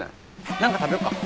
何か食べよっか。